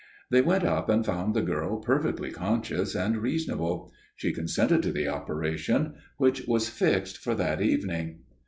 "They went up and found the girl perfectly conscious and reasonable. She consented to the operation, which was fixed for that evening.